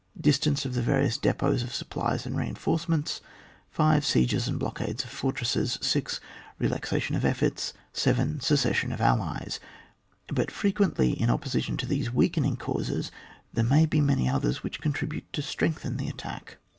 Distance of the various depots of supplies and reinforcements. 5. Sieges and blockades of fortresses. 6. Belaxation of efforts. 7. Secession of allies. But frequently, in opposition to these weakening causes^ there may be many others which contribute to strengthen the attack.